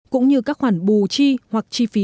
cũng như các khoản bù chi hoặc chi phí